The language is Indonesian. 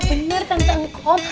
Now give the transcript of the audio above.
iya bener teteh kom